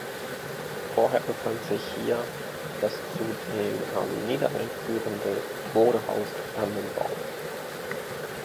Vorher befand sich hier das zu den am Niederrhein führende Modehaus Dannenbaum.